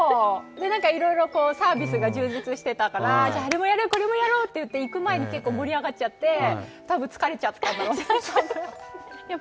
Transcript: いろいろサービスが充実してたから、あれもやろう、これもやろうって行く前に結構盛り上がっちゃってたぶん疲れちゃったんだろうね。